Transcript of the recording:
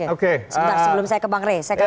oke sebelum saya ke bang rey saya kasih